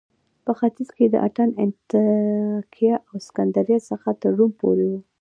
په ختیځ کې له اتن، انطاکیه او سکندریې څخه تر روم پورې و